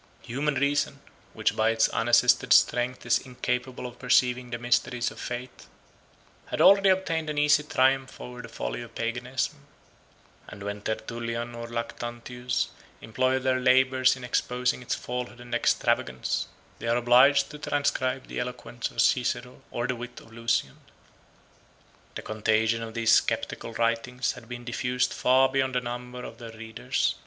Human reason, which by its unassisted strength is incapable of perceiving the mysteries of faith, had already obtained an easy triumph over the folly of Paganism; and when Tertullian or Lactantius employ their labors in exposing its falsehood and extravagance, they are obliged to transcribe the eloquence of Cicero or the wit of Lucian. The contagion of these sceptical writings had been diffused far beyond the number of their readers.